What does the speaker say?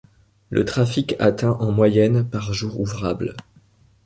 Le trafic atteint en moyenne par jour ouvrable.